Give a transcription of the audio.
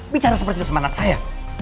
bicara seperti semangat saya